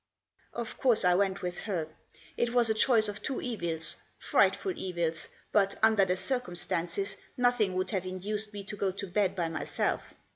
Of course I went with her. It was a choice of two evils — frightful evils — but, under the circumstances, nothing would have induced me to go to bed by myself.